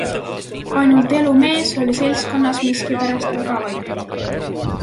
Ainult Elumees oli seltskonnas miskipärast väga vait.